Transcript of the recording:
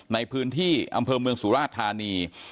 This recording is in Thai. ในพื้นที่อำเภอเมืองสุราชธานี